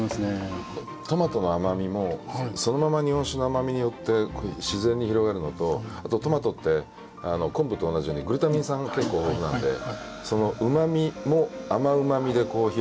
トマトの甘みもそのまま日本酒の甘みによって自然に広がるのとあとトマトって昆布と同じようにグルタミン酸が結構豊富なのでそのうま味も甘うま味で広げる。